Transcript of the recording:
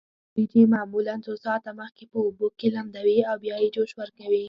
وریجې معمولا څو ساعته مخکې په اوبو کې لمدوي او بیا یې جوش ورکوي.